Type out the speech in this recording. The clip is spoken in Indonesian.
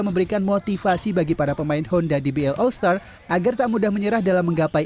memberikan motivasi bagi para pemain honda dbl all star agar tak mudah menyerah dalam menggapai